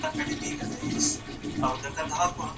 ډګر څېړنه تر کتابتون څېړنې سخته ده.